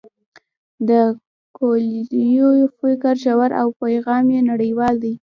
د کویلیو فکر ژور او پیغام یې نړیوال دی.